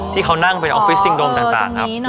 ที่เขานั่งเป็นออฟฟิสซิงโดมต่างต่างอ๋อตรงนี้เนอะ